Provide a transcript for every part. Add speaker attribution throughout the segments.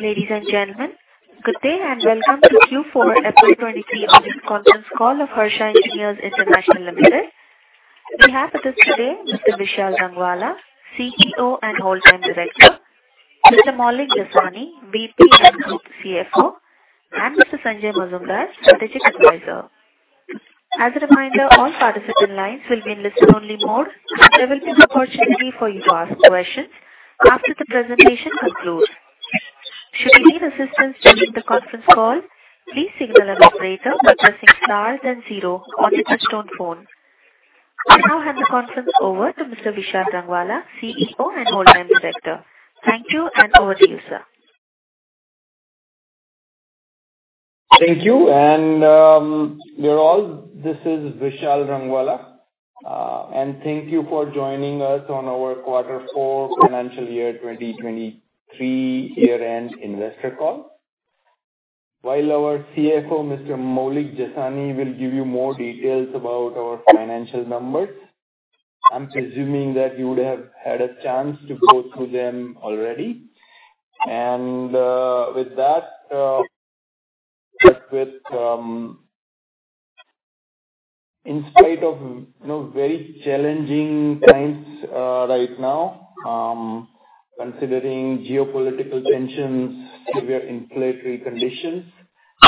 Speaker 1: Ladies and gentlemen, good day, and welcome to Q4 FY23 earnings conference call of Harsha Engineers International Limited. We have with us today Mr. Vishal Rangwala, CEO and Whole Time Director, Mr. Maulik Jasani, VP and Group CFO, and Mr. Sanjay Majmudar, Strategic Advisor. As a reminder, all participant lines will be in listen-only mode. There will be an opportunity for you to ask questions after the presentation concludes. Should you need assistance during the conference call, please signal an operator by pressing star then 0 on the touchtone phone. I now hand the conference over to Mr. Vishal Rangwala, CEO and Whole Time Director. Thank you, and over to you, sir.
Speaker 2: Thank you. This is Vishal Rangwala, and thank you for joining us on our quarter 4 financial year 2023 year-end investor call. While our CFO, Mr. Maulik Jasani, will give you more details about our financial numbers, I'm presuming that you would have had a chance to go through them already. With that, start with, in spite of, you know, very challenging times, right now, considering geopolitical tensions, severe inflationary conditions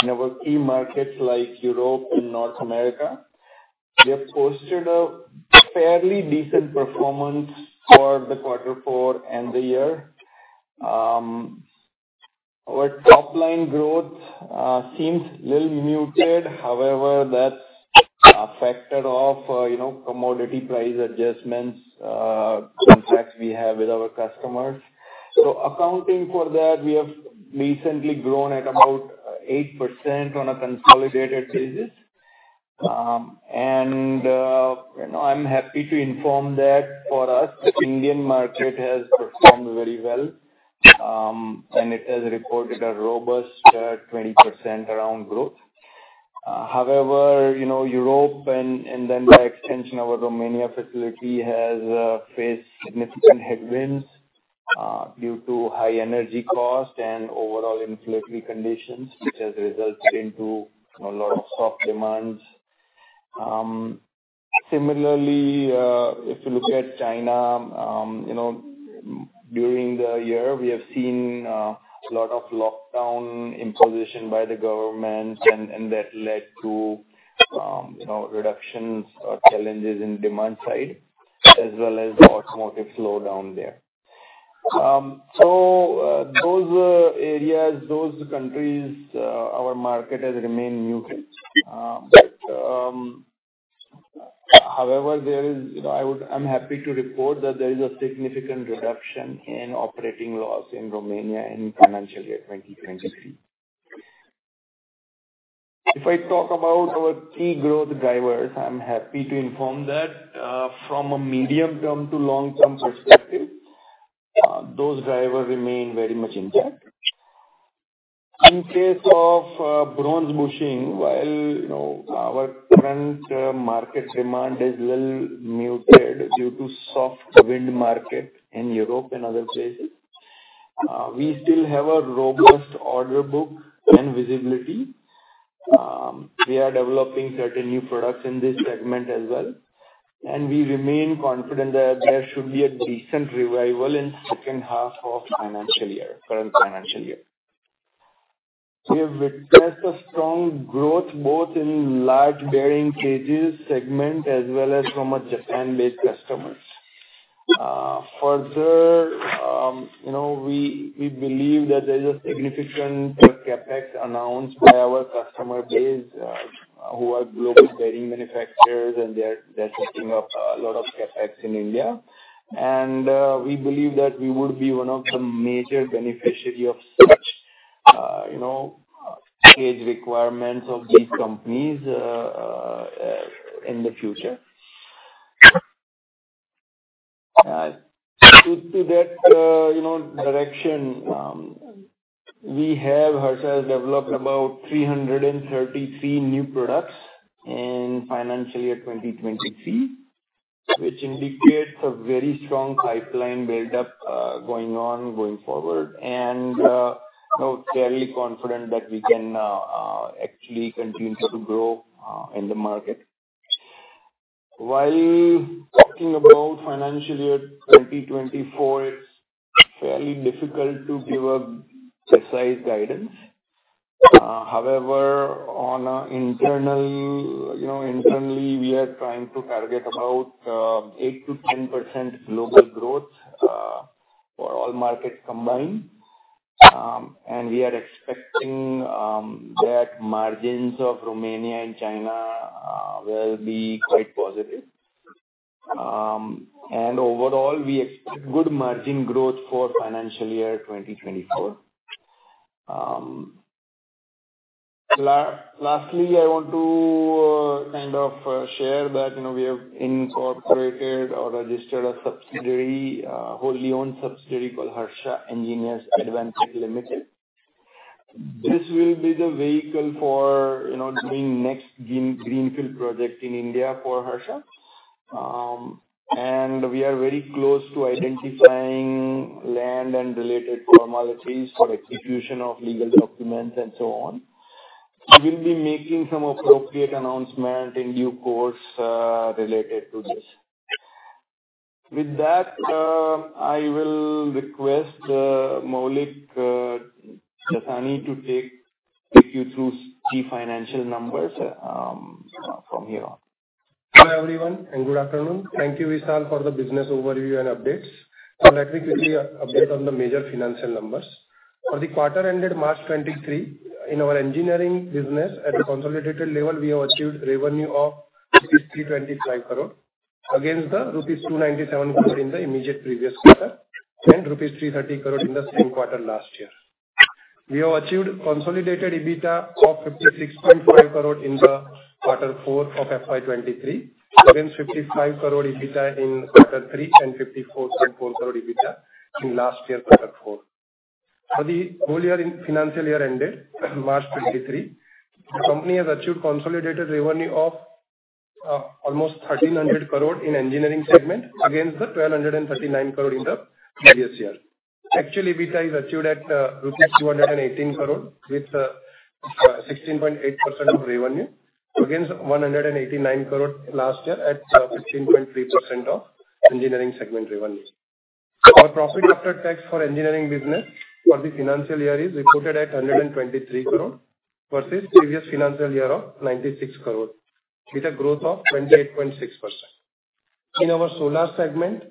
Speaker 2: in our key markets like Europe and North America, we have posted a fairly decent performance for the quarter 4 and the year. Our top-line growth seems a little muted. However, that's a factor of, you know, commodity price adjustments, contracts we have with our customers. Accounting for that, we have recently grown at about 8% on a consolidated basis. You know, I'm happy to inform that for us, the Indian market has performed very well, and it has reported a robust 20% around growth. However, you know, Europe and then by extension, our Romania facility has faced significant headwinds due to high energy cost and overall inflationary conditions, which has resulted into a lot of soft demands. Similarly, if you look at China, you know, during the year, we have seen a lot of lockdown imposition by the government and that led to reductions or challenges in demand side, as well as automotive slowdown there. Those areas, those countries, our market has remained muted. However, there is... You know, I'm happy to report that there is a significant reduction in operating loss in Romania in financial year 2023. If I talk about our key growth drivers, I'm happy to inform that, from a medium-term to long-term perspective, those drivers remain very much intact. In case of bronze bushing, while, you know, our current market demand is little muted due to soft wind market in Europe and other places, we still have a robust order book and visibility. We are developing certain new products in this segment as well, and we remain confident that there should be a decent revival in second half of financial year, current financial year. We have witnessed a strong growth both in large bearing cages segment as well as from our Japan-based customers. Further, you know, we believe that there's a significant CapEx announced by our customer base, who are global bearing manufacturers, they are setting up a lot of CapEx in India. We believe that we would be one of the major beneficiary of such, you know, cage requirements of these companies in the future. To that, you know, direction, we have ourselves developed about 333 new products in financial year 2023, which indicates a very strong pipeline buildup going on going forward. We're fairly confident that we can actually continue to grow in the market. While talking about financial year 2024, it's fairly difficult to give a precise guidance. However, on a internal, you know, internally, we are trying to target about 8%-10% global growth for all markets combined. We are expecting that margins of Romania and China will be quite positive. Overall, we expect good margin growth for financial year 2024. Lastly, I want to kind of share that, you know, we have incorporated or registered a subsidiary, wholly owned subsidiary called Harsha Engineers Advantek Limited. This will be the vehicle for, you know, doing next green, greenfield project in India for Harsha. We are very close to identifying land and related formalities for execution of legal documents and so on. We'll be making some appropriate announcement in due course related to this. With that, I will request Maulik Jasani to take you through key financial numbers from here on.
Speaker 3: Hi, everyone, and good afternoon. Thank you, Vishal, for the business overview and updates. Let me quickly update on the major financial numbers. For the quarter ended March 2023, in our engineering business at the consolidated level, we have achieved revenue of INR 325 crore, against the INR 297 crore in the immediate previous quarter, and INR 330 crore in the same quarter last year. We have achieved consolidated EBITDA of INR 56.4 crore in the quarter four of FY 2023, against INR 55 crore EBITDA in quarter three and INR 54.4 crore EBITDA in last year's quarter four. For the whole year in financial year ended March 2023, the company has achieved consolidated revenue of almost 1,300 crore in engineering segment, against the 1,239 crore in the previous year. EBITDA is achieved at rupees 218 crore, with 16.8% of revenue, against 189 crore last year at 15.3% of engineering segment revenue. Our profit after tax for engineering business for the financial year is reported at 123 crore, versus previous financial year of 96 crore, with a growth of 28.6%. In our solar segment,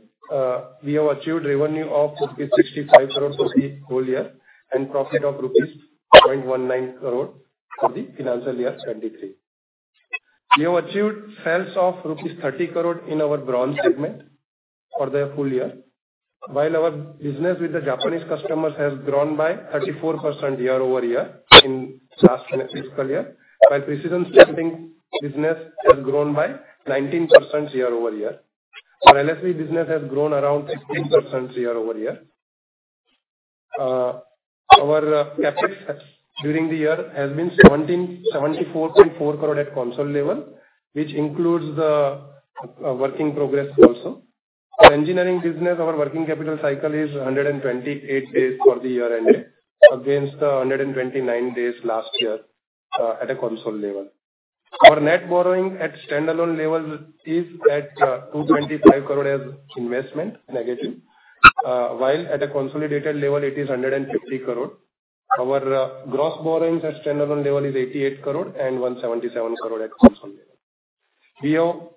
Speaker 3: we have achieved revenue of rupees 65 crore for the whole year, and profit of rupees 0.19 crore for the financial year 2023. We have achieved sales of rupees 30 crore in our bronze segment for the full year. While our business with the Japanese customers has grown by 34% year-over-year in last fiscal year, my precision stamping business has grown by 19% year-over-year. Our LSE business has grown around 16% year-over-year. Our CapEx during the year has been 74.4 crore at consolidated level, which includes the work in progress also. Our engineering business, our working capital cycle is 128 days for the year ending, against the 129 days last year, at a consolidated level. Our net borrowing at standalone level is at INR 225 crore as investment negative, while at a consolidated level it is INR 150 crore. Our gross borrowings at standalone level is INR 88 crore and INR 177 crore at consolidated level.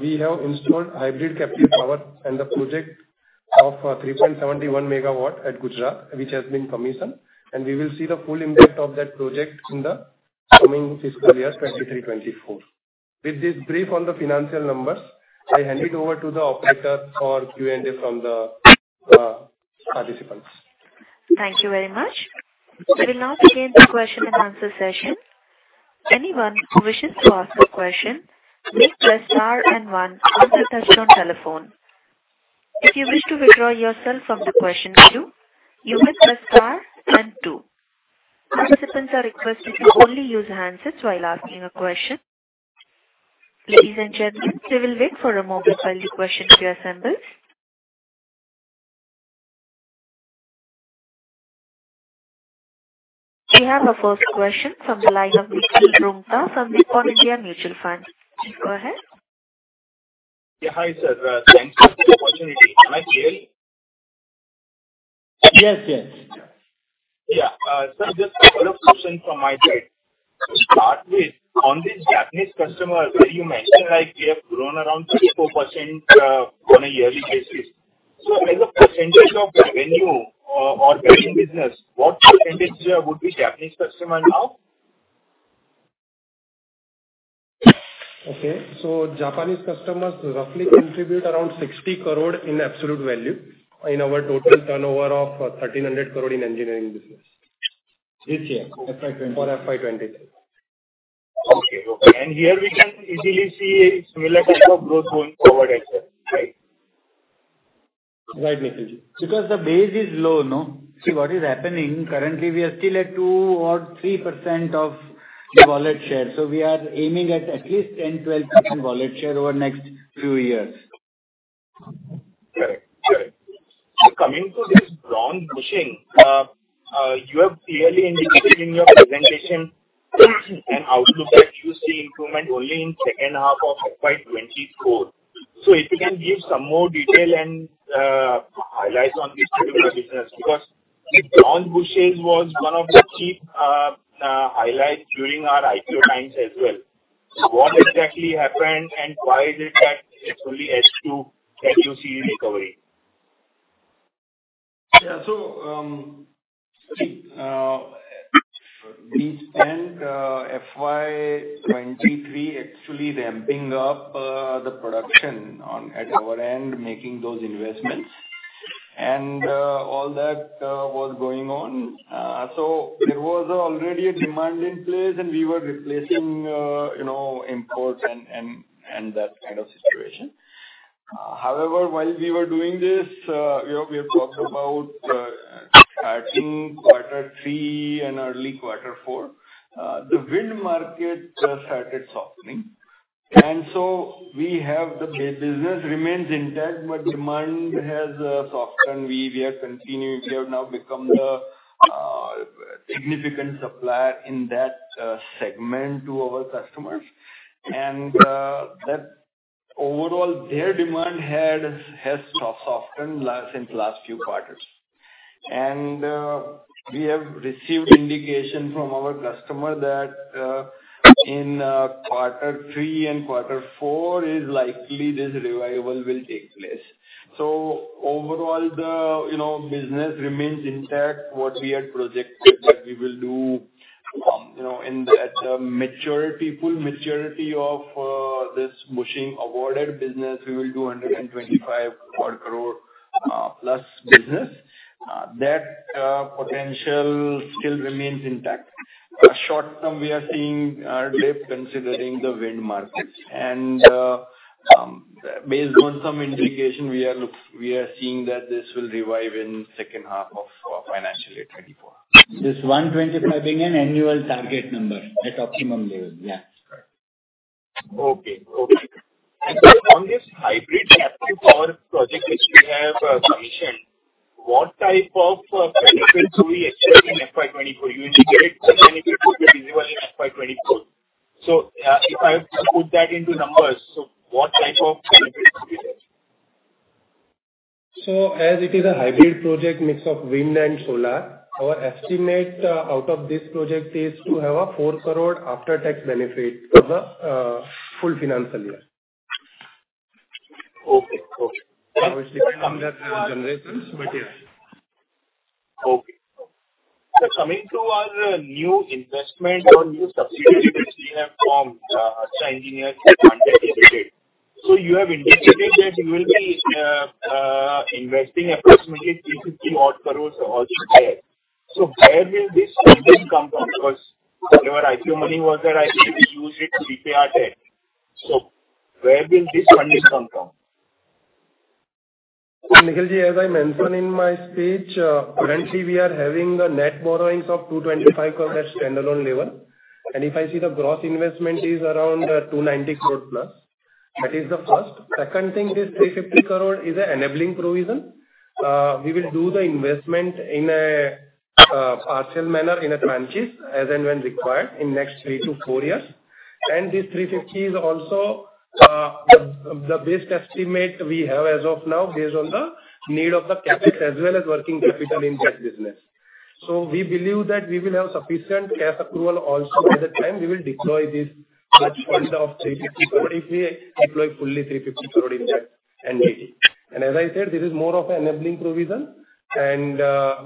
Speaker 3: We have installed hybrid captive power and the project of 3.71 megawatt at Gujarat, which has been commissioned, and we will see the full impact of that project in the coming fiscal year, 2023-2024. With this brief on the financial numbers, I hand it over to the operator for Q&A from the participants.
Speaker 1: Thank you very much. We will now begin the question and answer session. Anyone who wishes to ask a question, may press Star and one on their touchtone telephone. If you wish to withdraw yourself from the question queue, you may press Star and two. Participants are requested to only use handsets while asking a question. Ladies and gentlemen, we will wait for a moment while the question queue assembles. We have our first question from the line of Nikhil Rungta from the Nippon India Mutual Fund. Please go ahead.
Speaker 4: Yeah. Hi, sir. Thanks for the opportunity. Am I clear?
Speaker 2: Yes, yes.
Speaker 4: Yeah. Just a couple of questions from my side. To start with, on this Japanese customer, where you mentioned, like, we have grown around 34% on a yearly basis. As a percentage of the revenue, or growing business, what percentage would be Japanese customer now?
Speaker 3: Okay. Japanese customers roughly contribute around 60 crore in absolute value in our total turnover of 1,300 crore in engineering business.
Speaker 2: This year, FY 2023.
Speaker 3: For FY 2023.
Speaker 4: Okay. Here we can easily see a similar kind of growth going forward, I think, right?
Speaker 3: Right, Vijit.
Speaker 2: The base is low, no? See, what is happening, currently we are still at 2% or 3% of the wallet share, so we are aiming at at least 10%-12% wallet share over the next 2 years.
Speaker 4: Correct. Correct. Coming to this bronze bushing, you have clearly indicated in your presentation an outlook that you see improvement only in second half of FY 2024. If you can give some more detail and highlights on this particular business, because the bronze bushing was one of the key highlights during our IPO times as well. What exactly happened, and why is it that it's only H2 that you see recovery?
Speaker 3: Yeah. We spent FY23 actually ramping up the production at our end, making those investments. All that was going on. There was already a demand in place, and we were replacing imports and that kind of situation.
Speaker 2: However, while we were doing this, you know, we have talked about starting quarter 3 and early quarter 4. The wind market just started softening, and so we have the business remains intact, but demand has softened. We are continuing, we have now become the significant supplier in that segment to our customers. That overall, their demand has softened last, since last few quarters. We have received indication from our customer that in quarter 3 and quarter 4 is likely this revival will take place. Overall, the, you know, business remains intact. What we had projected that we will do, you know, in that maturity, full maturity of this bushing awarded business, we will do 125 crore plus business. That potential still remains intact. Short term, we are seeing dip considering the wind markets. Based on some indication, we are seeing that this will revive in second half of financial year 2024.
Speaker 5: This 125 billion annual target number at optimum level? Yeah. Correct.
Speaker 4: Okay, okay. On this hybrid captive power project which we have mentioned, what type of benefit do we expect in FY 2024? You indicated the benefit would be visible in FY 2024. If I put that into numbers, what type of benefit we get?
Speaker 2: As it is a hybrid project, mix of wind and solar, our estimate out of this project is to have an 4 crore after-tax benefit for the full financial year.
Speaker 4: Okay, okay.
Speaker 2: It will depend on the generations, but yes.
Speaker 4: Okay. Sir, coming to our new investment or new subsidiary which we have formed, Harsha Engineers Advantek Limited. You have indicated that you will be investing approximately INR 350 odd crores or so there. Where will this funding come from? Because whatever IPO money was there, I think you used it to repay our debt. Where will this funding come from?
Speaker 2: Nikhilji, as I mentioned in my speech, currently we are having a net borrowings of 225 crore at standalone level. If I see the gross investment is around 290 crore plus, that is the first. Second thing, this 350 crore is an enabling provision. We will do the investment in a partial manner, in a tranches, as and when required in next three to four years. This 350 is also the best estimate we have as of now, based on the need of the CapEx as well as working capital in that business. We believe that we will have sufficient cash accrual also by the time we will deploy this large fund of 350 crore, if we deploy fully 350 crore in that entity. As I said, this is more of an enabling provision, and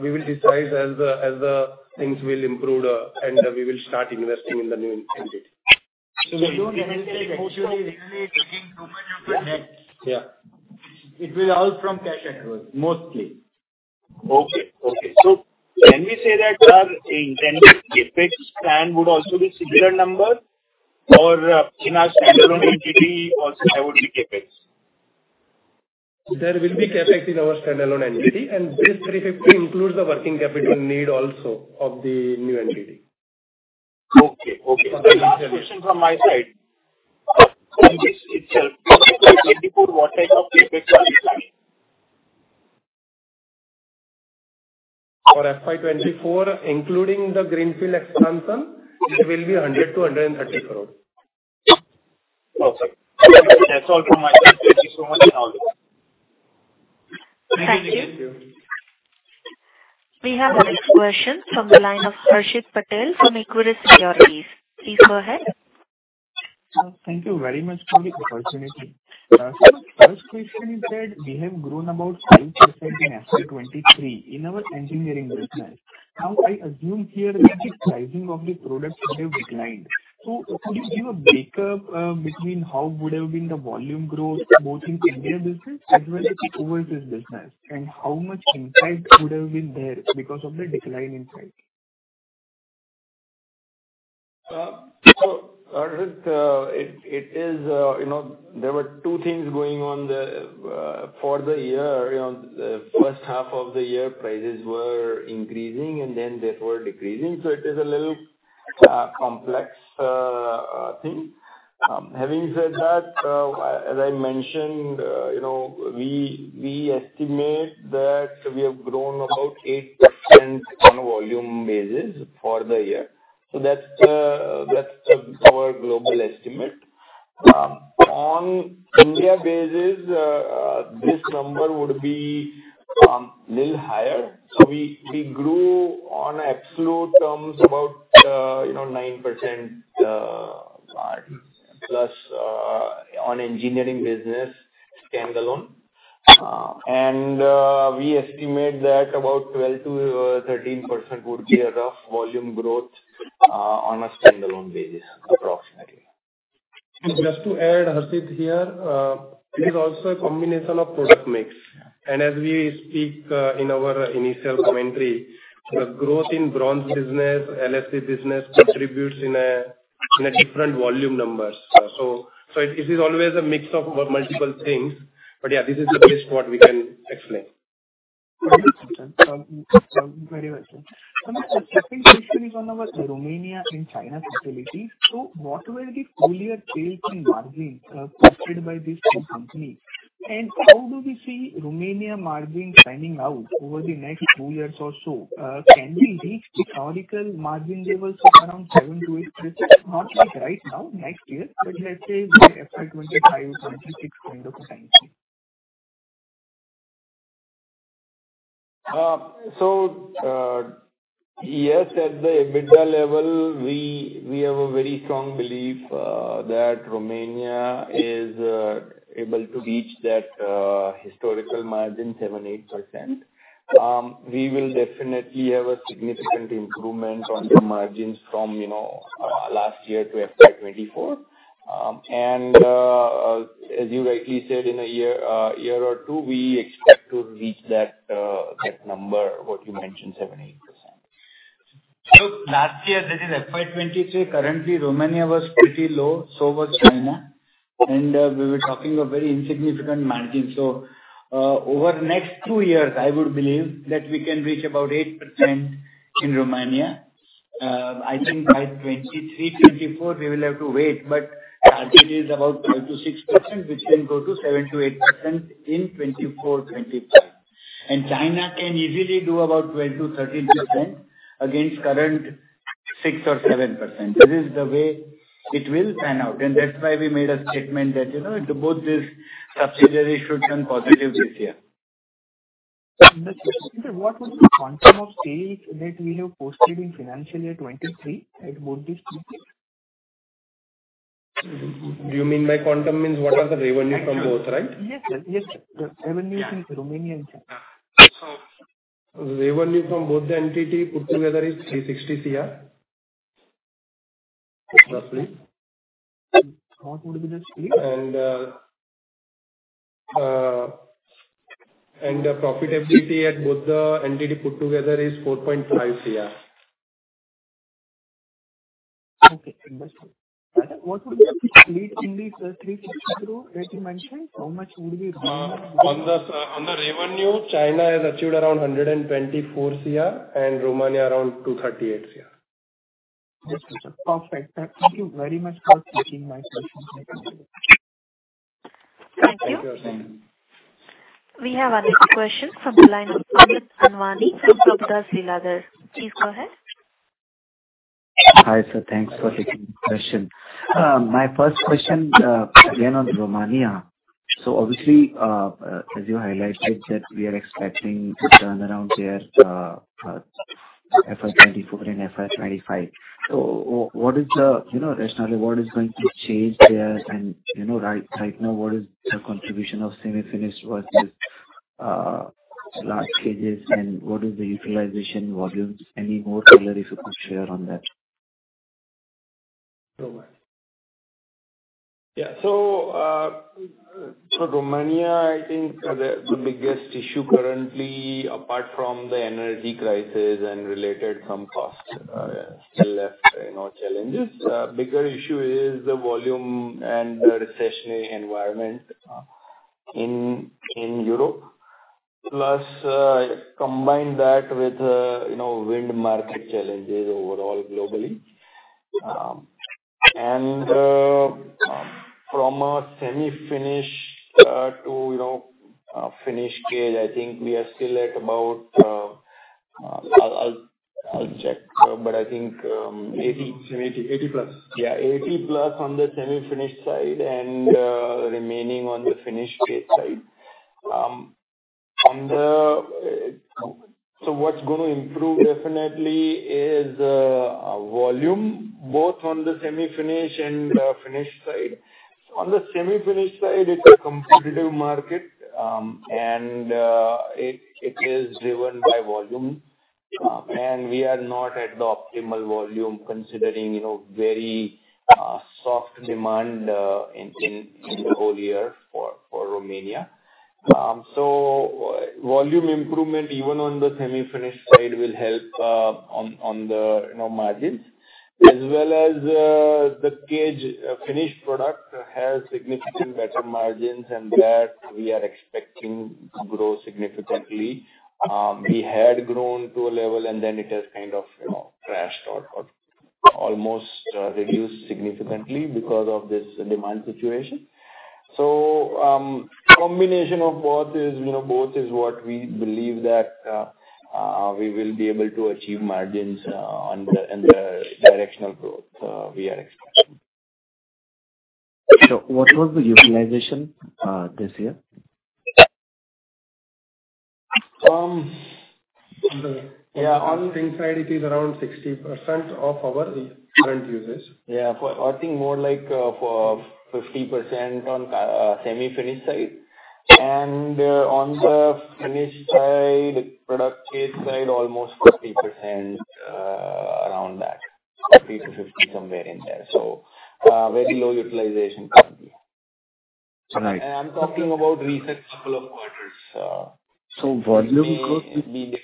Speaker 2: we will decide as the things will improve, and we will start investing in the new entity.
Speaker 5: We don't necessarily mostly taking too much of the next.
Speaker 2: Yeah.
Speaker 5: It will all from cash accrual, mostly.
Speaker 4: Okay, okay. Can we say that our intended CapEx plan would also be similar number or, in our standalone entity also there would be CapEx?
Speaker 2: There will be CapEx in our standalone entity, and this 350 includes the working capital need also of the new entity.
Speaker 4: Okay. The last question from my side. This itself, 2024, what type of CapEx are we planning?
Speaker 2: For FY 2024, including the greenfield expansion, it will be 100-130 crore.
Speaker 4: Okay. That's all from my side. Thank you so much.
Speaker 5: Thank you.
Speaker 1: Thank you. We have the next question from the line of Harshit Patel from Equirus Securities. Please go ahead.
Speaker 6: Thank you very much for the opportunity. Sir, first question is that we have grown about 5% in FY 2023 in our engineering business. I assume here that the pricing of the products would have declined. Could you give a breakup between how would have been the volume growth both in India business as well as overseas business, and how much impact would have been there because of the decline in price?
Speaker 2: Harshit, it is, you know, there were two things going on for the year. You know, the first half of the year, prices were increasing and then they were decreasing, it is a little complex thing. Having said that, as I mentioned, you know, we estimate that we have grown about 8% on volume basis for the year. That's our global estimate. On India basis, this number would be little higher. We grew on absolute terms about, you know, 9% plus on engineering business standalone. We estimate that about 12%-13% would be a rough volume growth on a standalone basis, approximately.
Speaker 5: Just to add, Harshit, here, it is also a combination of product mix. As we speak, in our initial commentary, the growth in bronze business, LSE business contributes.... in a different volume numbers. It is always a mix of multiple things, but yeah, this is the best what we can explain.
Speaker 6: Very well, sir. My second question is on our Romania and China facility. What were the full year sales and margins posted by this 2 company? How do we see Romania margin panning out over the next 2 years or so? Can we reach the historical margin levels of around 7%-8%? Not like right now, next year, but let's say by FY 2025-2026, kind of a time frame.
Speaker 2: Yes, at the EBITDA level, we have a very strong belief that Romania is able to reach that historical margin, 7%-8%. We will definitely have a significant improvement on the margins from, you know, last year to FY 2024. As you rightly said, in a year or two, we expect to reach that number, what you mentioned, 7%-8%.
Speaker 5: Last year, that is FY 2023, currently Romania was pretty low, so was China, and we were talking of very insignificant margin. Over the next two years, I would believe that we can reach about 8% in Romania. I think by 2023, 2024, we will have to wait, but margin is about 5%-6%, which can go to 7%-8% in 2024, 2025. China can easily do about 12%-13% against current 6% or 7%. This is the way it will pan out, and that's why we made a statement that, you know, both this subsidiary should turn positive this year.
Speaker 6: What was the quantum of sales that we have posted in financial year 2023 at both these two?
Speaker 2: You mean by quantum means what was the revenue from both, right?
Speaker 6: Yes, sir. Yes, sir. The revenue from Romania and China.
Speaker 5: The revenue from both the entity put together is 360 crore, roughly.
Speaker 6: What would be the split?
Speaker 5: The profit PBT at both the entity put together is 4.5 crore.
Speaker 6: Okay, understood. What would be the split in the 360 group that you mentioned? How much would be...
Speaker 5: On the revenue, China has achieved around 124 CR and Romania around 238 CR.
Speaker 6: Yes, sir. Perfect. Thank you very much for taking my questions.
Speaker 1: Thank you.
Speaker 2: Thank you.
Speaker 1: We have our next question from the line of Amit Anwani from Prabhudas Lilladher. Please go ahead.
Speaker 7: Hi, sir. Thanks for taking the question. My first question, again, on Romania. Obviously, as you highlighted, that we are expecting to turn around their FY 2024 and FY 2025. What is the... You know, rationally, what is going to change there, and, you know, right now, what is the contribution of semi-finished versus large cages, and what is the utilization volumes? Any more color if you could share on that?
Speaker 2: Yeah. Romania, I think the biggest issue currently, apart from the energy crisis and related some cost, still left, you know, challenges. Bigger issue is the volume and the recessionary environment in Europe. Plus, combine that with, you know, wind market challenges overall globally. From a semi-finished to, you know, finished cage, I think we are still at about, I'll check, but I think
Speaker 5: Semi-finished, 80 plus.
Speaker 2: Yeah, 80+ on the semi-finished side and remaining on the finished cage side. What's going to improve definitely is volume, both on the semi-finished and the finished side. On the semi-finished side, it is a competitive market, and it is driven by volume. We are not at the optimal volume, considering, you know, very soft demand in the whole year for Romania. Volume improvement, even on the semi-finished side, will help on the, you know, margins. As well as the cage finished product has significant better margins, and that we are expecting to grow significantly. We had grown to a level, and then it has kind of, you know, crashed or almost reduced significantly because of this demand situation. Combination of both is, you know, both is what we believe that, we will be able to achieve margins, and the directional growth, we are expecting.
Speaker 7: What was the utilization this year?
Speaker 5: Um, on the-
Speaker 2: Yeah, on the inside, it is around 60% of our current usage.
Speaker 5: Yeah, for, I think more like, for 50% on semi-finished side. On the finished side, product cage side, almost 50% around that. 50-50, somewhere in there. Very low utilization currently.
Speaker 2: I'm talking about recent couple of quarters.
Speaker 7: volume growth-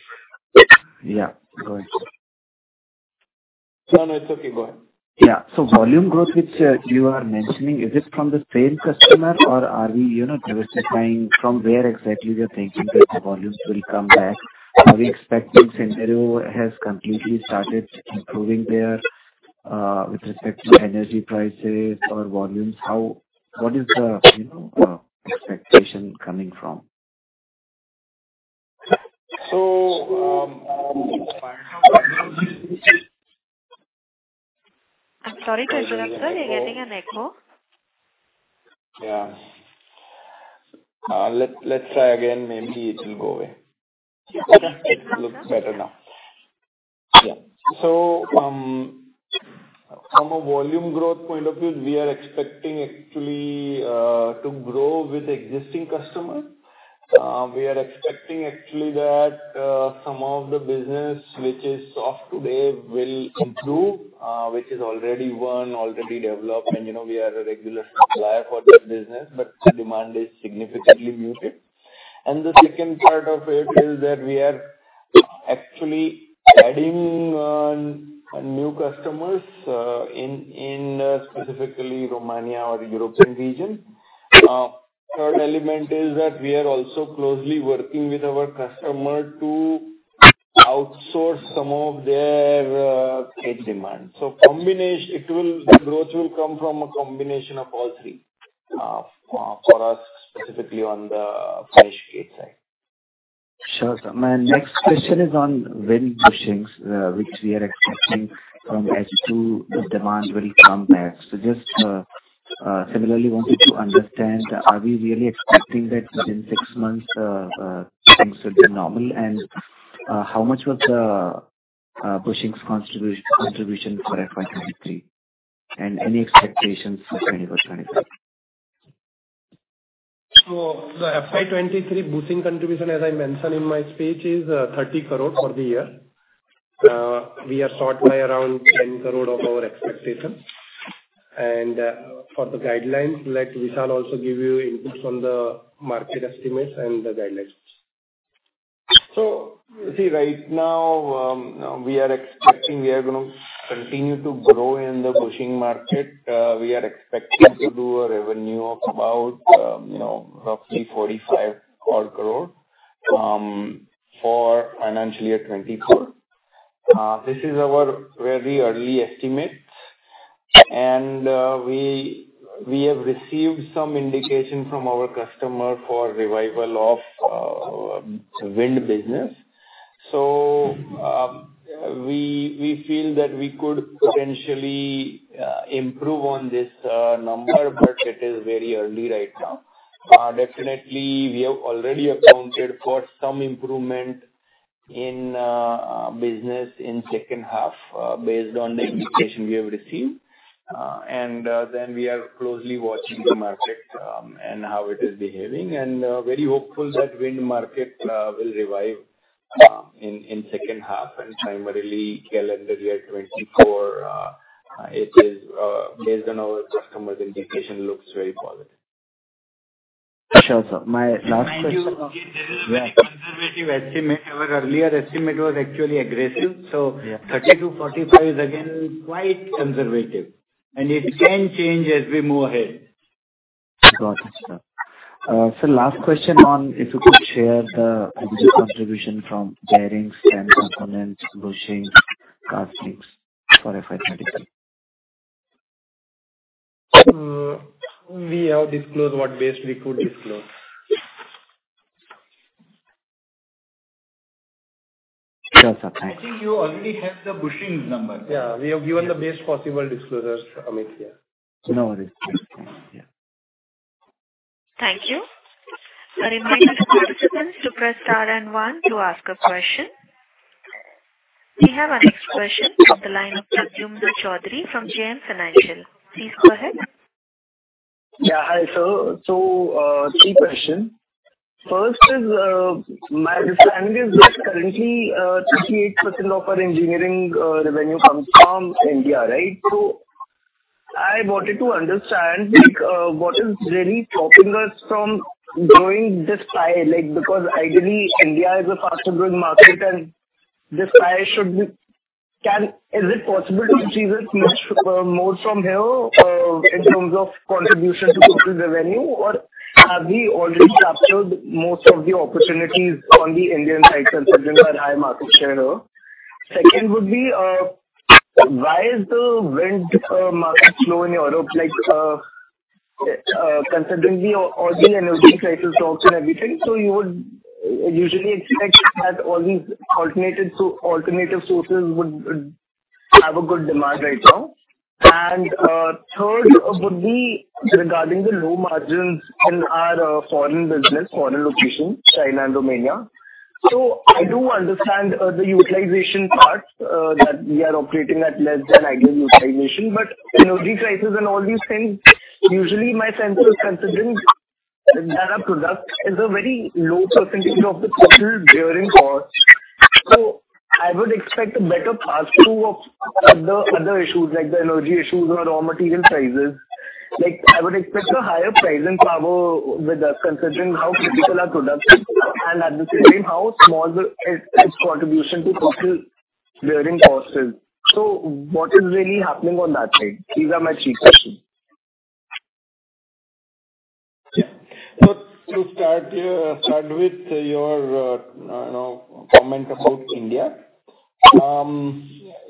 Speaker 7: Yeah, go ahead.
Speaker 2: No, no, it's okay. Go ahead.
Speaker 7: Yeah. Volume growth, which, you are mentioning, is it from the same customer or are we, you know, diversifying from where exactly we are thinking that the volumes will come back? Are we expecting scenario has completely started improving there, with respect to energy prices or volumes? What is the, you know, expectation coming from?
Speaker 2: So, um,
Speaker 1: I'm sorry, Kanchirak sir, you're getting an echo.
Speaker 2: Yeah. Let's try again. Maybe it will go away. It looks better now. Yeah. From a volume growth point of view, we are expecting actually to grow with existing customer. We are expecting actually that some of the business which is off today will improve, which is already won, already developed. You know, we are a regular supplier for that business, but the demand is significantly muted. The second part of it is that we are actually adding new customers in specifically Romania or the European region. Third element is that we are also closely working with our customer to outsource some of their cage demand. Combination, the growth will come from a combination of all three for us, specifically on the finished cage side.
Speaker 7: Sure, sir. My next question is on wind bushings, which we are expecting from H2, the demand will come back. Just similarly wanted to understand, are we really expecting that within 6 months, things will be normal? How much was the bushings contribution for FY 2023, and any expectations for 2024 or 2025?
Speaker 2: The FY 2023 bushing contribution, as I mentioned in my speech, is 30 crore for the year. We are short by around 10 crore of our expectations. For the guidelines, let Vishal also give you inputs on the market estimates and the guidelines. See, right now, we are expecting we are gonna continue to grow in the bushing market. We are expecting to do a revenue of about, you know, roughly 45 crore for financial year 2024. This is our very early estimates, and we have received some indication from our customer for revival of wind business. We feel that we could potentially improve on this number, but it is very early right now. Definitely, we have already accounted for some improvement in business in second half, based on the indication we have received. Then we are closely watching the market, and how it is behaving, and very hopeful that wind market will revive in second half and primarily calendar year 2024. It is, based on our customers' indication, looks very positive.
Speaker 7: Sure, sir. My last question-
Speaker 2: This is a very conservative estimate. Our earlier estimate was actually aggressive.
Speaker 7: Yeah.
Speaker 2: 30 to 45 is again quite conservative, and it can change as we move ahead.
Speaker 7: Got it, sir. last question on if you could share the business contribution from bearings and components, bushings, plastics for FY 2023.
Speaker 2: We have disclosed what best we could disclose.
Speaker 7: Sure, sir. Thank you.
Speaker 2: I think you already have the bushings number. Yeah, we have given the best possible disclosures, Amit, yeah.
Speaker 7: No worries. Yeah.
Speaker 1: Thank you. A reminder to participants to press Star and one to ask a question. We have our next question from the line of Pradyumna Choudhary from JM Financial. Please go ahead.
Speaker 8: Yeah. Hi, sir. Three questions. First is, my understanding is that currently, 38% of our engineering revenue comes from India, right? I wanted to understand, like, what is really stopping us from growing this pie, like, because ideally, India is a fast-growing market, and this pie should be. Is it possible to achieve it much more from here in terms of contribution to total revenue, or have we already captured most of the opportunities on the Indian side, considering our high market share here? Second would be, why is the wind market slow in Europe? Like, considering all the energy prices drops and everything, you would usually expect that all these alternative sources would have a good demand right now. Third would be regarding the low margins in our foreign business, foreign location, China and Romania. I do understand the utilization part that we are operating at less than ideal utilization, but energy prices and all these things, usually my sense is, considering that our product is a very low % of the total bearing cost. I would expect a better pass-through of other issues, like the energy issues or raw material prices. Like, I would expect a higher pricing power with us, considering how critical our product is, and at the same how small its contribution to total bearing costs is. What is really happening on that side? These are my three questions.
Speaker 2: Look, to start here, start with your, you know, comment about India.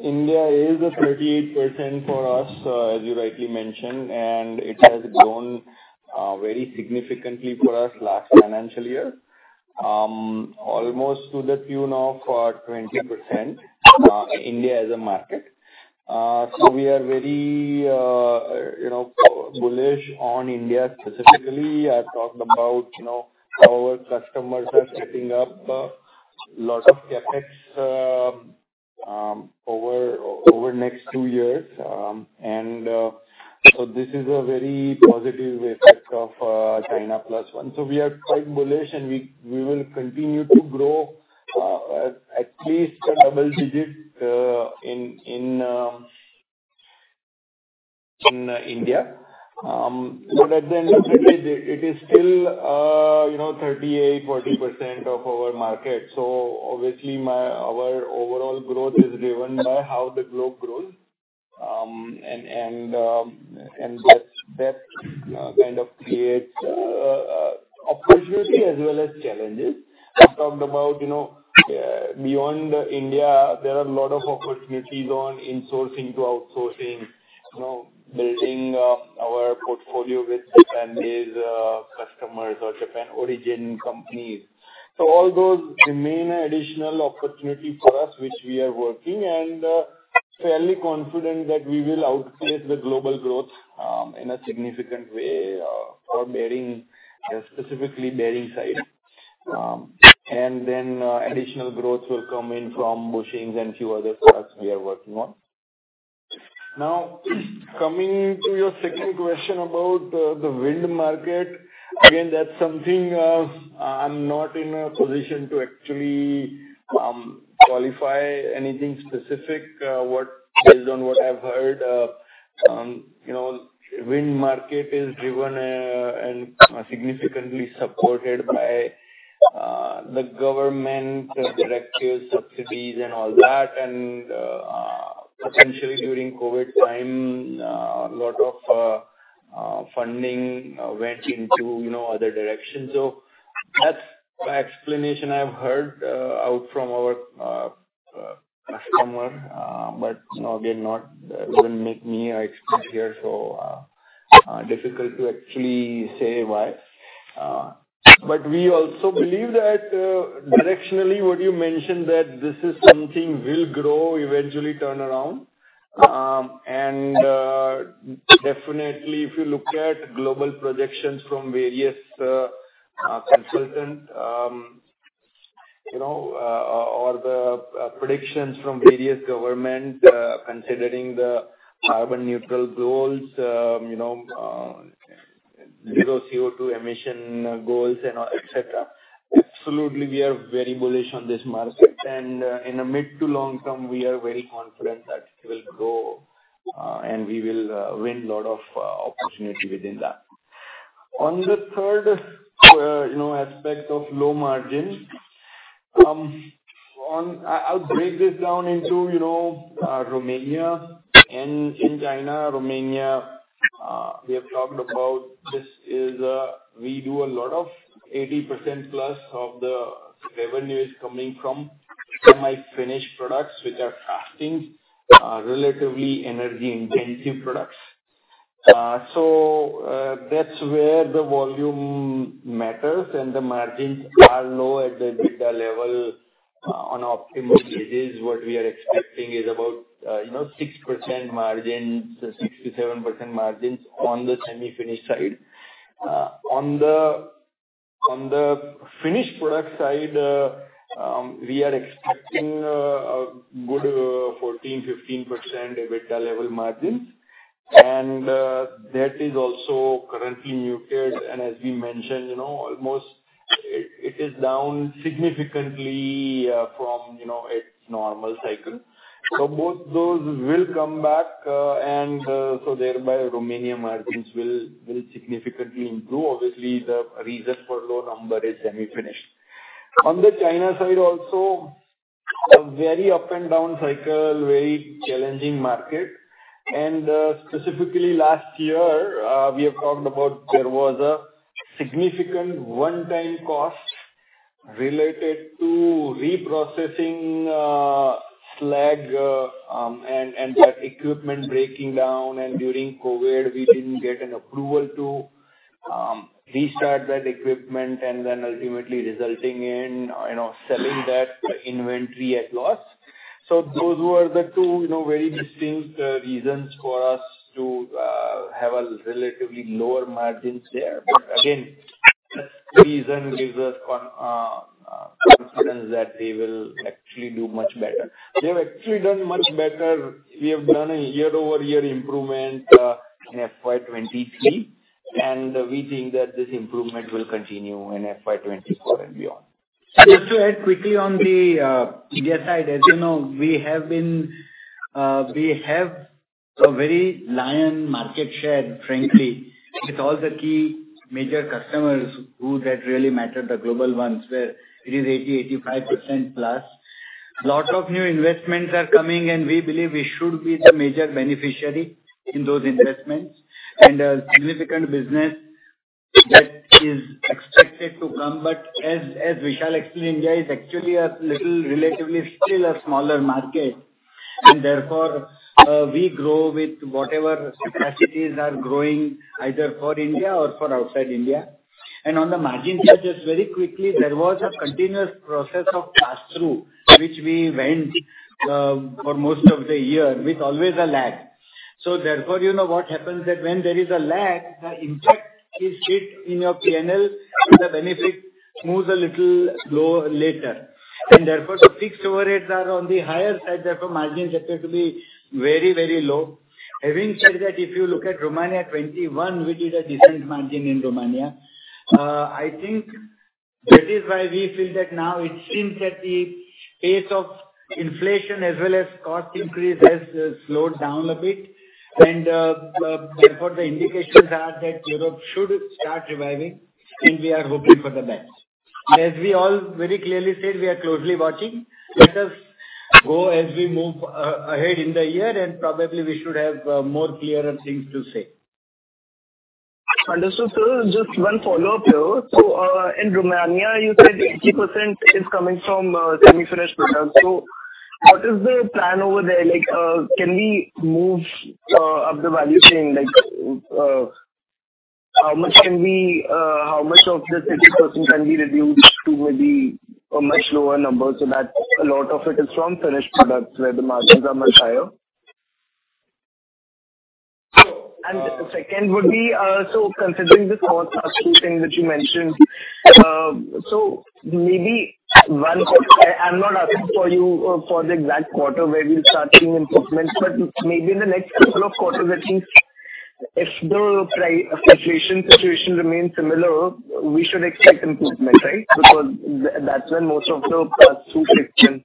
Speaker 2: India is a 38% for us, as you rightly mentioned, and it has grown very significantly for us last financial year. Almost to the tune of 20%, India as a market. We are very, you know, bullish on India specifically. I talked about, you know, our customers are setting up lot of CapEx over next two years. This is a very positive effect of China plus one. We are quite bullish, and we will continue to grow at least a double digit in India. At the end of the day, it is still, you know, 38%, 40% of our market. Obviously, our overall growth is driven by how the globe grows. That kind of creates opportunity as well as challenges. I've talked about, you know, beyond India, there are a lot of opportunities on insourcing to outsourcing, you know, building our portfolio with Japan-based customers or Japan origin companies. All those remain additional opportunity for us, which we are working and fairly confident that we will outpace the global growth in a significant way for bearing, specifically bearing side. Additional growth will come in from bushings and few other parts we are working on. Coming to your second question about the wind market, again, that's something I'm not in a position to actually qualify anything specific. What, based on what I've heard, you know, wind market is driven and significantly supported by the government directives, subsidies and all that. Potentially during COVID time, a lot of funding went into, you know, other directions. That's the explanation I've heard out from our customer. You know, again, not, doesn't make me expert here, so difficult to actually say why. We also believe that directionally, what you mentioned, that this is something will grow, eventually turn around. Definitely, if you look at global projections from various consultants, you know, or the predictions from various government, considering the carbon neutral goals, you know, zero CO2 emission goals and all, et cetera. Absolutely, we are very bullish on this market, in the mid to long term, we are very confident that it will grow, and we will win a lot of opportunity within that. On the third, aspect of low margin, I'll break this down into Romania and in China. Romania, we have talked about this is, we do a lot of 80% plus of the revenue is coming from semi-finished products, which are castings, relatively energy-intensive products. That's where the volume matters and the margins are low at the EBITDA level. On optimal stages, what we are expecting is about 6% margins, 6%-7% margins on the semi-finished side. On the finished product side, we are expecting a good 14%-15% EBITDA level margins. That is also currently muted. As we mentioned, you know, almost it is down significantly from, you know, its normal cycle. Both those will come back, thereby Romania margins will significantly improve. Obviously, the reason for low number is semi-finished. On the China side, also a very up and down cycle, very challenging market. Specifically last year, we have talked about there was a significant one-time cost related to reprocessing slag and that equipment breaking down. During COVID, we didn't get an approval to restart that equipment and then ultimately resulting in, you know, selling that inventory at loss. Those were the two, you know, very distinct reasons for us to have a relatively lower margins there. Again, reason gives us confidence that they will actually do much better. They've actually done much better. We have done a year-over-year improvement in FY 2023. We think that this improvement will continue in FY 2024 and beyond.
Speaker 5: Just to add quickly on the India side, as you know, we have been, we have a very lion market share, frankly, with all the key major customers who that really matter, the global ones, where it is 80%-85%+. Lots of new investments are coming, and we believe we should be the major beneficiary in those investments, and a significant business that is expected to come. As Vishal explained, there is actually a little, relatively still a smaller market, and therefore, we grow with whatever capacities are growing, either for India or for outside India. On the margin side, just very quickly, there was a continuous process of pass-through, which we went, for most of the year with always a lag. Therefore, you know what happens that when there is a lag, the impact is hit in your P&L, so the benefit moves a little low later. Therefore, the fixed overheads are on the higher side, therefore, margins appear to be very, very low. Having said that, if you look at Romania 2021, we did a decent margin in Romania. I think that is why we feel that now it seems that the pace of inflation as well as cost increase has slowed down a bit, and therefore, the indications are that Europe should start reviving, and we are hoping for the best. As we all very clearly said, we are closely watching. Let us go as we move ahead in the year, and probably we should have more clearer things to say.
Speaker 8: Understood, sir. Just one follow-up here. In Romania, you said 80% is coming from semi-finished products. What is the plan over there? Like, can we move up the value chain? Like, how much can we, how much of this 80% can be reduced to maybe a much lower number, so that a lot of it is from finished products, where the margins are much higher? Second would be, considering the cost pass-through thing that you mentioned, so maybe one. I'm not asking for you for the exact quarter where you'll start seeing improvements, but maybe in the next couple of quarters, at least, if the situation remains similar, we should expect improvement, right? Because that's when most of the pass-through effect can.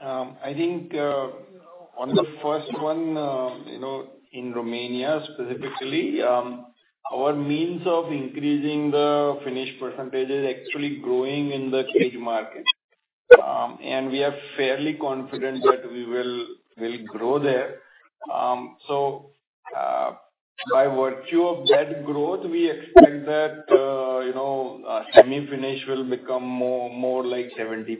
Speaker 2: I think, on the first one, you know, in Romania specifically, our means of increasing the finished % is actually growing in the cage market. We are fairly confident that we will grow there. By virtue of that growth, we expect that, you know, semi-finished will become more like 70%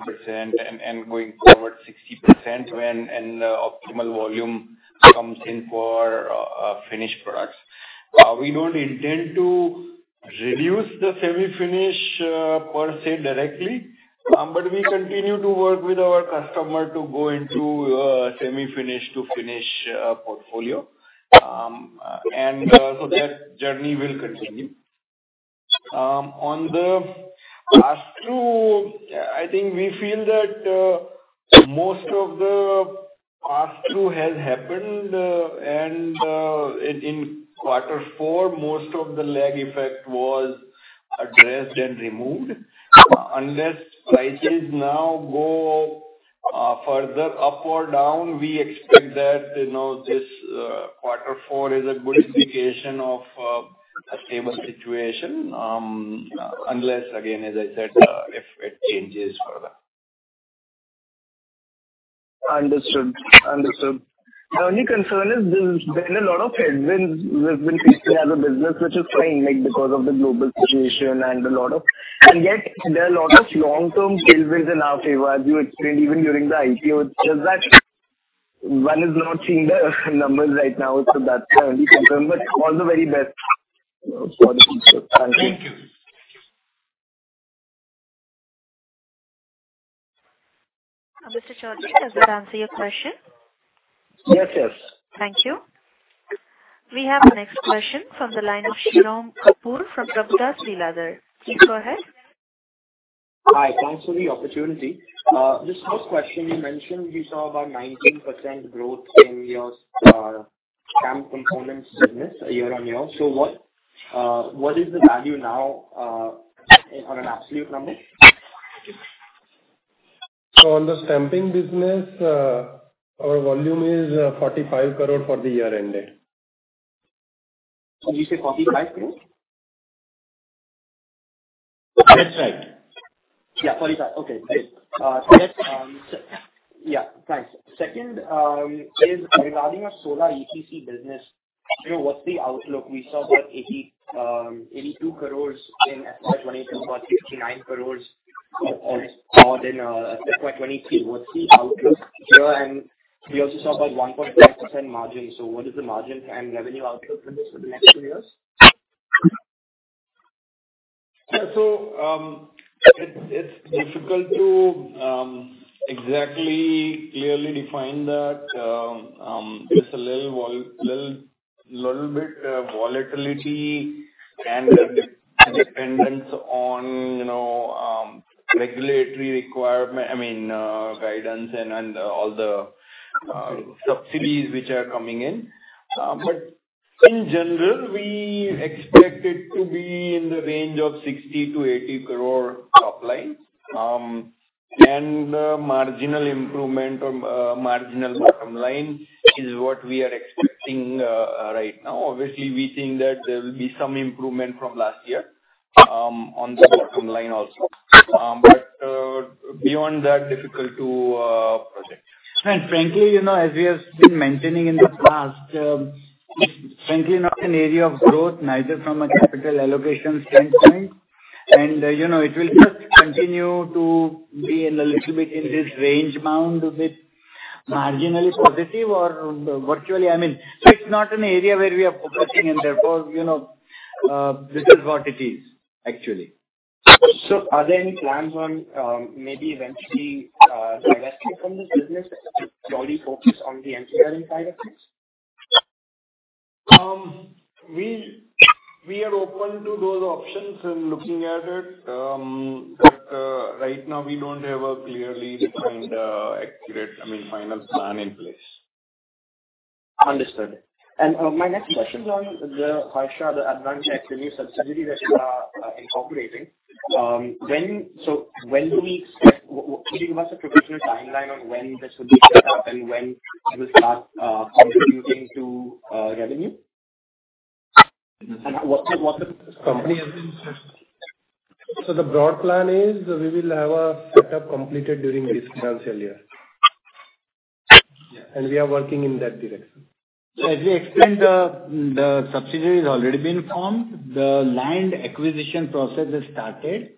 Speaker 2: and going forward, 60% when optimal volume comes in for finished products. We don't intend to reduce the semi-finished, per se, directly, we continue to work with our customer to go into semi-finished to finished portfolio. That journey will continue. On the pass-through, I think we feel that most of the pass-through has happened, and in quarter four, most of the lag effect was addressed and removed. Unless prices now go further up or down, we expect that, you know, this quarter four is a good indication of a stable situation, unless, again, as I said, if it changes further.
Speaker 8: Understood. Understood. The only concern is there's been a lot of headwinds we've been facing as a business, which is fine, like, because of the global situation and a lot of. Yet there are a lot of long-term tailwinds in our favor, as you explained, even during the IPO. It's just that one is not seeing the numbers right now, that's the only concern. All the very best for the future. Thank you.
Speaker 1: Mr. Chaudhary, does that answer your question?
Speaker 8: Yes, yes.
Speaker 1: Thank you. We have our next question from the line of Shirom Kapur from Prabhudas Lilladher. Please go ahead.
Speaker 9: Hi, thanks for the opportunity. Just first question, you mentioned you saw about 19% growth in your, stamp components business year-over-year. What is the value now, on an absolute number?
Speaker 2: On the stamping business, our volume is 45 crore for the year ended.
Speaker 9: Did you say 45 crore?
Speaker 2: That's right.
Speaker 9: Yeah, 45. Okay, great. So that's. Yeah, thanks. Second, is regarding your solar EPC business, you know, what's the outlook? We saw about 80, 82 crores in FY 2022, about INR 59 crores in FY 2023. What's the outlook here? We also saw about 1.5% margin. What is the margin and revenue outlook for this for the next two years?
Speaker 2: It's difficult to exactly clearly define that. It's a little bit volatility and dependence on, you know regulatory requirement, I mean, guidance and all the subsidies which are coming in. In general, we expect it to be in the range of 60 crore-80 crore top line. And the marginal improvement or marginal bottom line is what we are expecting right now. Obviously, we think that there will be some improvement from last year on the bottom line also. Beyond that, difficult to project.
Speaker 5: Frankly, you know, as we have been maintaining in the past, frankly, not an area of growth, neither from a capital allocation standpoint. You know, it will just continue to be in a little bit in this range bound, a bit marginally positive or virtually, I mean, so it's not an area where we are focusing and therefore, you know, this is what it is, actually.
Speaker 9: Are there any plans on, maybe eventually, divesting from this business to solely focus on the engineering side of things?
Speaker 2: We are open to those options and looking at it. Right now we don't have a clearly defined, accurate, I mean, final plan in place.
Speaker 9: Understood. My next question is on the Harsha, the advanced activity subsidy that you are incorporating. When do we expect, could you give us a potential timeline on when this will be set up and when it will start contributing to revenue? What the company has been-
Speaker 2: The broad plan is, we will have our setup completed during this financial year.
Speaker 9: Yeah.
Speaker 2: We are working in that direction.
Speaker 5: As we explained, the subsidiary has already been formed. The land acquisition process has started.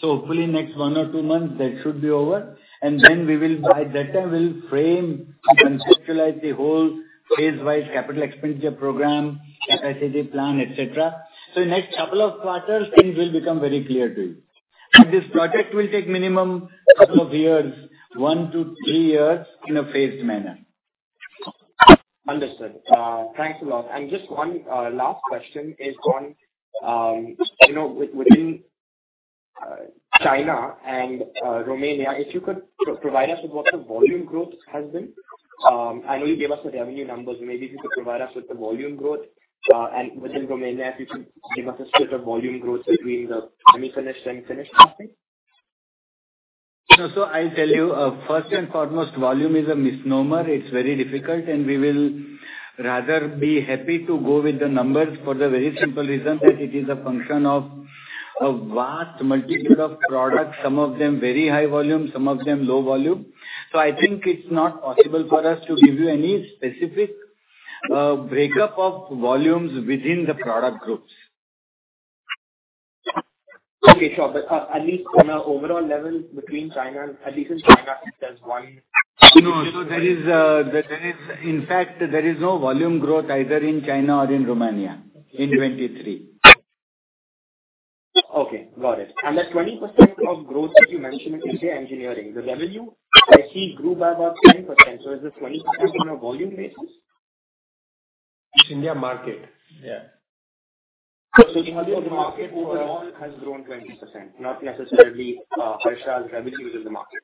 Speaker 5: Hopefully next one or two months, that should be over. We will, by that time, we'll frame and conceptualize the whole phase-wise capital expenditure program, capacity plan, et cetera. In next couple of quarters, things will become very clear to you. This project will take minimum couple of years, 1 to 3 years, in a phased manner.
Speaker 9: Understood. Thanks a lot. Just one last question is on, you know, within China and Romania, if you could provide us with what the volume growth has been. I know you gave us the revenue numbers, maybe if you could provide us with the volume growth. Within Romania, if you could give us a split of volume growth between the semi-finished and finished housing.
Speaker 5: I'll tell you, first and foremost, volume is a misnomer. It's very difficult, and we will rather be happy to go with the numbers for the very simple reason that it is a function of a vast multitude of products, some of them very high volume, some of them low volume. I think it's not possible for us to give you any specific breakup of volumes within the product groups.
Speaker 9: Okay, sure. At least on an overall level between China, at least in China, there's one-.
Speaker 5: No, there is. In fact, there is no volume growth either in China or in Romania, in 2023.
Speaker 9: Okay, got it. The 20% of growth that you mentioned in India engineering, the revenue I see grew by about 10%. Is it 20% on a volume basis?
Speaker 2: It's India market. Yeah.
Speaker 9: The volume of the market overall has grown 20%, not necessarily, Harsha's revenue is in the market?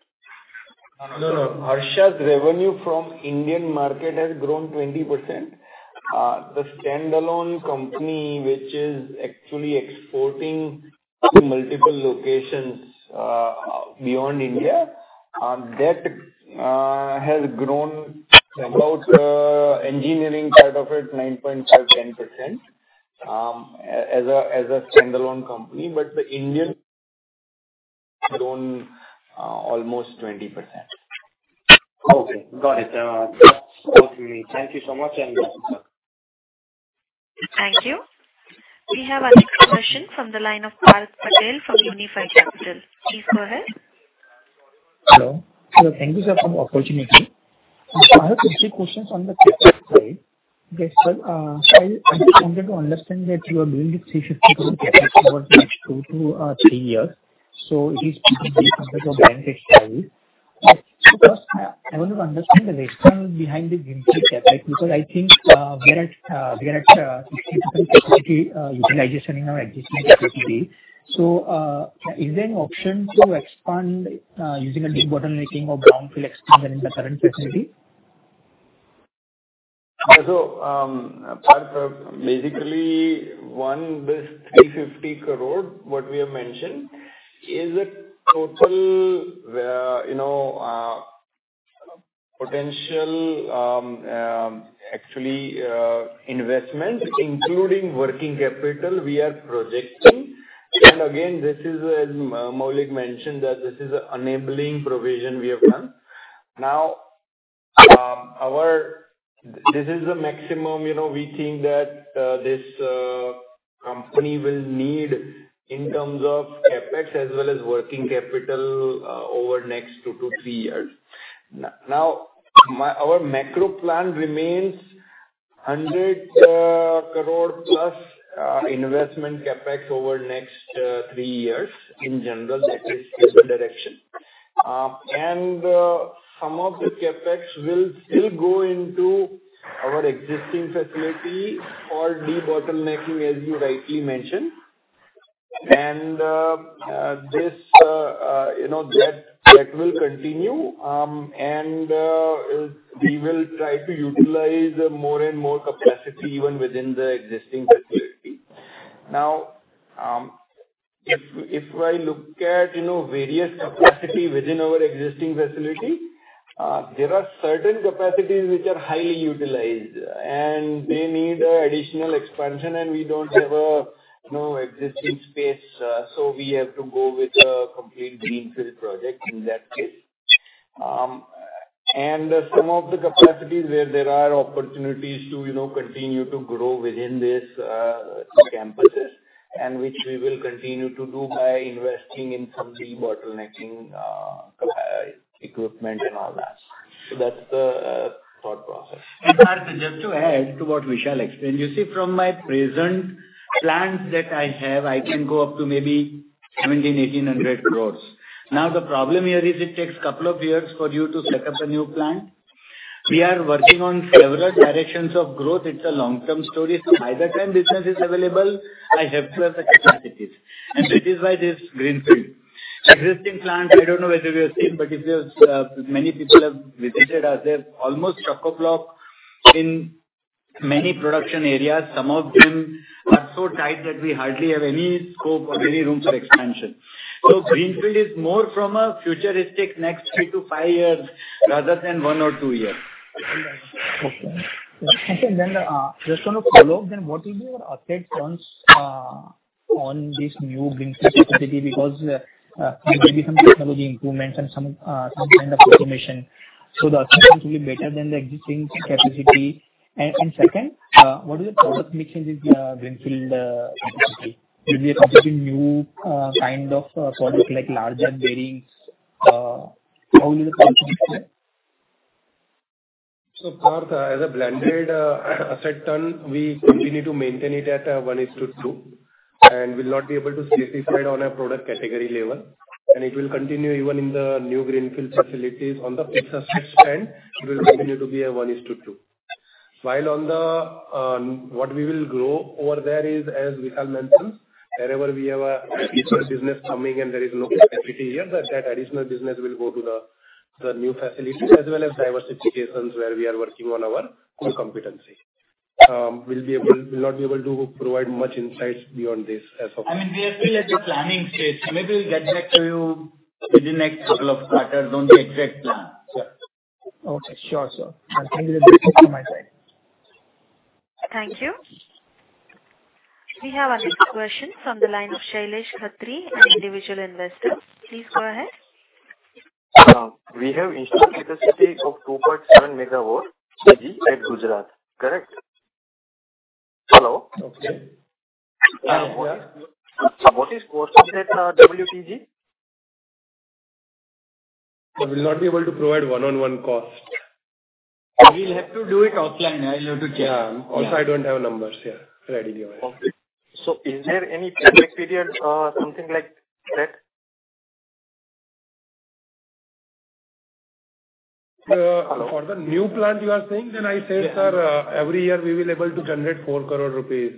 Speaker 2: No, no. Harsha's revenue from Indian market has grown 20%. The standalone company, which is actually exporting to multiple locations, beyond India, has grown engineering side of it, 9.5%-10%, as a standalone company. The Indian grown, almost 20%.
Speaker 9: Okay, got it. That's all for me. Thank you so much, and yes.
Speaker 1: Thank you. We have our next question from the line of Parth Patel from Unifi Capital. Please go ahead.
Speaker 10: Hello. Thank you, sir, for the opportunity. I have 2, 3 questions on the side. I just wanted to understand that you are doing this INR 350 crore over the next 2-3 years. It is comparable to a blanket style. First, I want to understand the rationale behind this CapEx, right? I think we are at 60% capacity utilization in our existing capacity. Is there an option to expand using a debottlenecking or brownfield expansion in the current facility?
Speaker 2: Parth, basically, one, this 350 crore, what we have mentioned, is a total, you know, potential, actually, investment, including working capital we are projecting. Again, this is, as Maulik Jasani mentioned, that this is enabling provision we have done. Now, This is the maximum, you know, we think that, this company will need in terms of CapEx as well as working capital over next 2-3 years. Now, our macro plan remains 100 crore plus investment CapEx over next 3 years. In general, that is the direction. Some of the CapEx will still go into our existing facility for de-bottlenecking, as you rightly mentioned. This, you know, that will continue. We will try to utilize more and more capacity even within the existing facility. Now, if I look at, you know, various capacity within our existing facility, there are certain capacities which are highly utilized, and they need additional expansion, and we don't have a, you know, existing space, so we have to go with a complete greenfield project in that case. Some of the capacities where there are opportunities to, you know, continue to grow within this campuses, and which we will continue to do by investing in some de-bottlenecking CapEx equipment and all that. That's the thought process.
Speaker 5: Karthik, just to add to what Vishal explained, you see, from my present plans that I have, I can go up to maybe 1,700-1,800 crores. The problem here is it takes 2 years for you to set up a new plant. We are working on several directions of growth. It's a long-term story, so by the time business is available, I have to have the capacities, and that is why this greenfield. Existing plant, I don't know whether you have seen, but if you have, many people have visited us, they're almost chock-a-block in many production areas. Some of them are so tight that we hardly have any scope or any room for expansion. Greenfield is more from a futuristic next 3-5 years, rather than one or two years.
Speaker 10: Okay. Just want to follow up, what will be your asset turns on this new greenfield facility? There might be some technology improvements and some kind of automation, the assets will be better than the existing capacity. Second, what is the product mix in this greenfield capacity? Will it be a completely new kind of product, like, larger bearings? How will the product mix be?
Speaker 2: Karthik, as a blended asset turn, we continue to maintain it at 1:2, and will not be able to specify on a product category level, and it will continue even in the new greenfield facilities. On the mix aspect end, it will continue to be a 1:2. While on the what we will grow over there is, as Vishal mentioned, wherever we have a business coming and there is no capacity here, that additional business will go to the new facilities, as well as diversification, where we are working on our core competency. We'll not be able to provide much insights beyond this as of now.
Speaker 5: I mean, we are still at the planning stage. Maybe we'll get back to you within next couple of quarters on the exact plan.
Speaker 10: Sure. Okay, sure, sir. I think that's it from my side.
Speaker 1: Thank you. We have our next question from the line of Shailesh Khatri, an individual investor. Please go ahead.
Speaker 11: We have installed capacity of 2.7 megawatt CG at Gujarat, correct? Hello.
Speaker 2: Okay.
Speaker 11: What is that, WTG?
Speaker 2: I will not be able to provide one-on-one cost.
Speaker 5: We'll have to do it offline. I'll have to check.
Speaker 2: Yeah. Also, I don't have numbers here ready with me.
Speaker 11: Okay. Is there any payback period, something like that?
Speaker 2: For the new plant you are saying, I said, sir, every year we will be able to generate 4 crore rupees,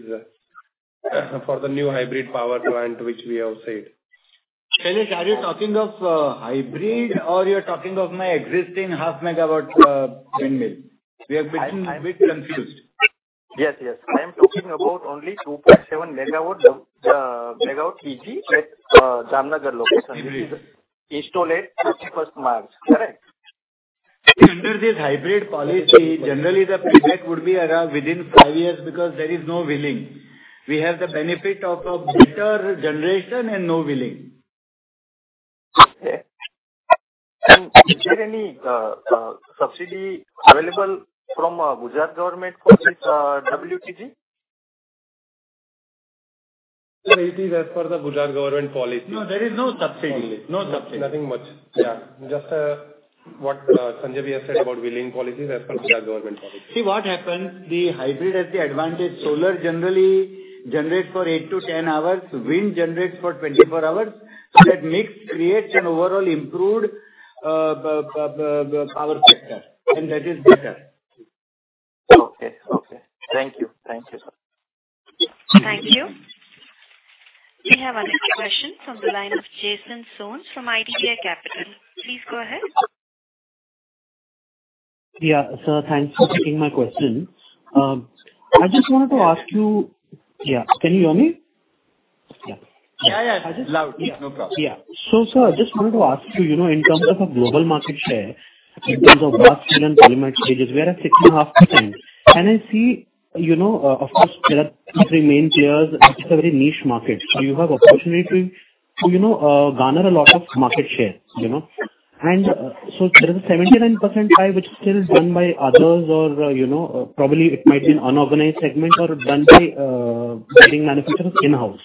Speaker 2: for the new hybrid power plant which we have said.
Speaker 5: Shailesh, are you talking of hybrid or you're talking of my existing half megawatt windmill? We are getting a bit confused.
Speaker 11: Yes, yes. I'm talking about only 2.7 megawatt CG at Jamnagar location, installed at 31st March, correct?
Speaker 5: Under this hybrid policy, generally the payback would be around within five years because there is no wheeling. We have the benefit of a better generation and no wheeling.
Speaker 11: Okay. Is there any subsidy available from Gujarat government for this WTG?
Speaker 2: It is as per the Gujarat government policy.
Speaker 5: No, there is no subsidy. No subsidy.
Speaker 2: Nothing much. Yeah, just, what Sanjay has said about wheeling policies as per Gujarat government policy.
Speaker 5: See, what happens, the hybrid has the advantage. Solar generally generates for eight to 10 hours, wind generates for 24 hours. That mix creates an overall improved power factor. That is better.
Speaker 11: Okay. Okay. Thank you. Thank you, sir.
Speaker 1: Thank you. We have our next question from the line of Jinesh Shah from IDBI Capital. Please go ahead.
Speaker 12: Yeah, sir, thanks for taking my question. I just wanted to ask you... Yeah, can you hear me? Yeah.
Speaker 5: Yeah, yeah. Loud and clear. No problem.
Speaker 12: Yeah. Sir, I just wanted to ask you know, in terms of a global market share, in terms of brass, steel, and polyamide cages, we are at 6.5%. I see, you know, of course, there are three main players, and it's a very niche market. You have opportunity to, you know, garner a lot of market share, you know? There is a 79% pie, which still is done by others or, you know, probably it might be an unorganized segment or done by bearing manufacturers in-house.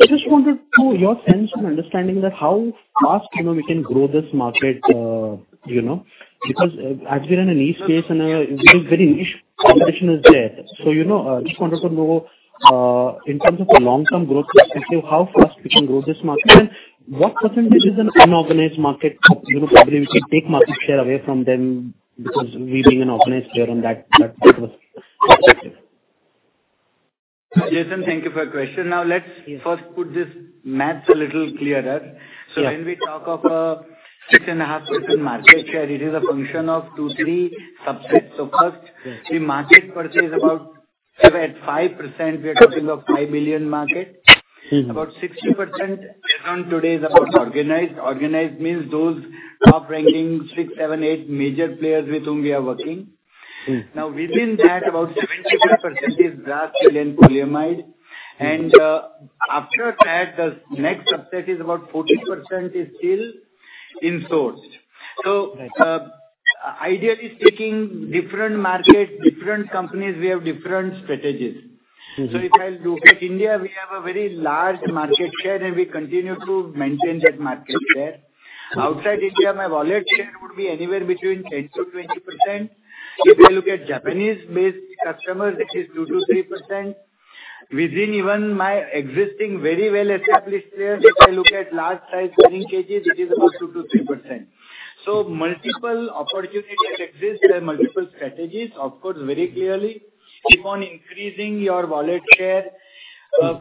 Speaker 12: I just wanted to know your sense and understanding that how fast, you know, we can grow this market, you know, because as we're in a niche space and very niche competition is there. You know, just wanted to know. In terms of the long-term growth perspective, how fast we can grow this market? What percentage is an unorganized market, you know, probably we can take market share away from them because we being an organized player on that perspective.
Speaker 5: Jason, thank you for your question. Now, let's first put this math a little clearer.
Speaker 12: Yeah.
Speaker 5: When we talk of a 6.5% market share, it is a function of two, three subsets. First, the market purchase about somewhere at 5%, we are talking of $5 billion market.
Speaker 12: Mm-hmm.
Speaker 5: About 60% based on today is about organized. Organized means those top-ranking six, seven, eight major players with whom we are working.
Speaker 12: Mm.
Speaker 5: Within that, about 75% is brass, steel and polyamide. After that, the next subset is about 40% is still in-sourced.
Speaker 12: Right.
Speaker 5: Ideally speaking, different market, different companies, we have different strategies.
Speaker 12: Mm-hmm.
Speaker 5: If I look at India, we have a very large market share, and we continue to maintain that market share. Outside India, my wallet share would be anywhere between 10%-20%. If I look at Japanese-based customers, that is 2%-3%. Within even my existing very well-established players, if I look at large-size bearing cages, it is about 2%-3%. Multiple opportunities exist and multiple strategies, of course, very clearly keep on increasing your wallet share,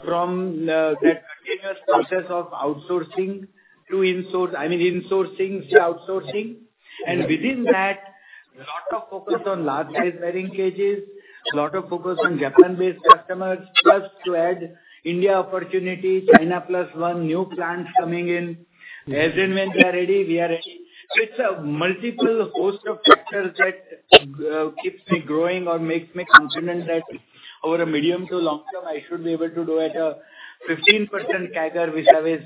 Speaker 5: from that continuous process of outsourcing to insource, I mean insourcing to outsourcing. Within that, lot of focus on large-size bearing cages, lot of focus on Japan-based customers, plus to add India opportunity, China plus one, new plants coming in. As and when we are ready, we are ready. It's a multiple host of factors that keeps me growing or makes me confident that over a medium to long term, I should be able to do at a 15% CAGR, which have a 6%,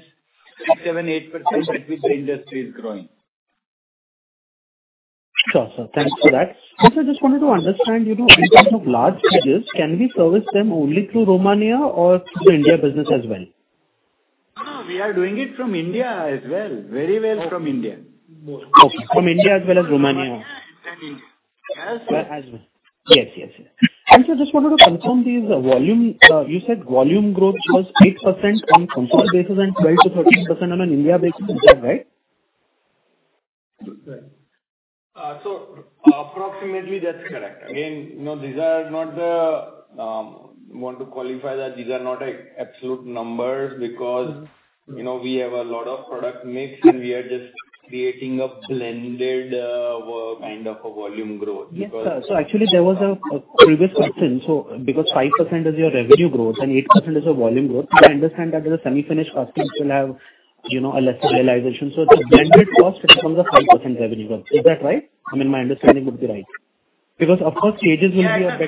Speaker 5: 7%, 8%, which the industry is growing.
Speaker 12: Sure, sir. Thanks for that. I just wanted to understand, you know, in terms of large cages, can we service them only through Romania or through the India business as well?
Speaker 5: No, we are doing it from India as well. Very well from India.
Speaker 12: From India as well as Romania?
Speaker 5: India as well.
Speaker 12: Yes, yes. I just wanted to confirm the volume. You said volume growth was 8% on consolidated basis and 12%-13% on an India basis. Is that right?
Speaker 2: Approximately, that's correct. Again, you know, these are not the, I want to qualify that these are not, like, absolute numbers, because-
Speaker 12: Mm-hmm.
Speaker 2: you know, we have a lot of product mix, and we are just creating a blended, kind of a volume growth.
Speaker 12: Yes, sir. Actually there was a previous question, because 5% is your revenue growth and 8% is your volume growth, I understand that the semi-finished castings will have, you know, a lesser realization. The blended cost becomes a 5% revenue growth. Is that right? I mean, my understanding would be right. Of course, cages will be a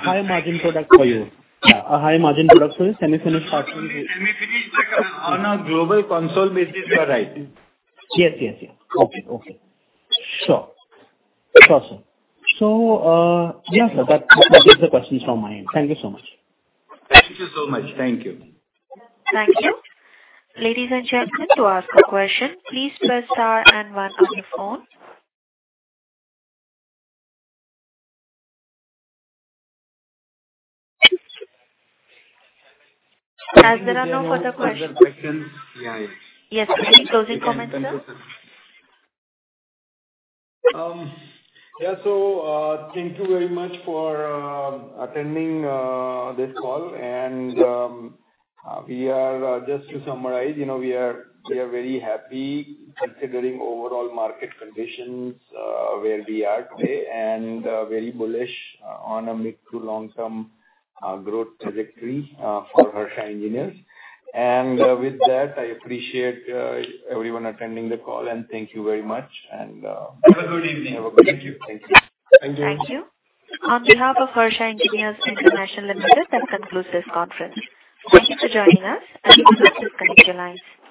Speaker 12: high-margin product for you. A high-margin product for semi-finished castings.
Speaker 2: Semi-finished, like, on a global consol basis, you are right.
Speaker 12: Yes, yes. Okay, okay. Sure. Sure, sir. Yes, sir, that is the questions from my end. Thank you so much.
Speaker 2: Thank you so much. Thank you.
Speaker 1: Thank you. Ladies and gentlemen, to ask a question, please press star and one on your phone. As there are no further questions.
Speaker 5: Other questions, yeah.
Speaker 1: Yes, any closing comments, sir?
Speaker 2: Yeah, thank you very much for attending this call. Just to summarize, you know, we are very happy considering overall market conditions, where we are today, and very bullish on a mid to long-term growth trajectory for Harsha Engineers. With that, I appreciate everyone attending the call, and thank you very much.
Speaker 5: Have a good evening.
Speaker 2: Have a good evening.
Speaker 5: Thank you.
Speaker 2: Thank you.
Speaker 12: Thank you.
Speaker 1: Thank you. On behalf of Harsha Engineers International Limited, that concludes this conference. Thank you for joining us, and you may disconnect your lines.